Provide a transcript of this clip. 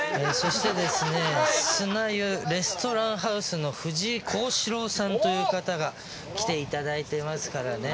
そして砂湯レストランハウスの藤井宏司朗さんという方に来ていただいています。